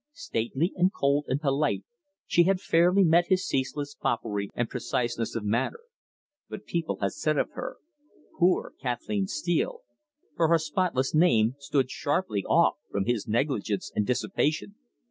Stately and cold and polite, she had fairly met his ceaseless foppery and preciseness of manner. But people had said of her, "Poor Kathleen Steele!" for her spotless name stood sharply off from his negligence and dissipation.